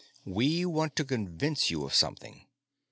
We want to convince you of something."